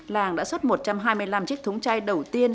làng đã xuất một trăm hai mươi năm chiếc thúng chai đầu tiên